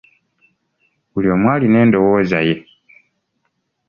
Buli omu alina endowooza ye.